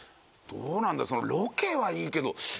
どうなんだろう。